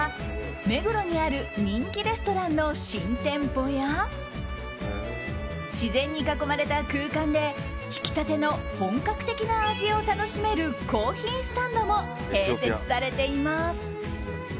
目黒にある人気レストランの新店舗や自然に囲まれた空間でひき立ての本格的な味を楽しめるコーヒースタンドも併設されています。